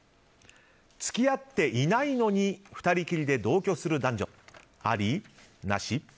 付き合っていないのに２人きりで同居する男女。